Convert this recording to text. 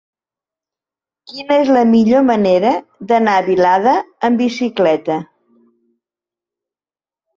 Quina és la millor manera d'anar a Vilada amb bicicleta?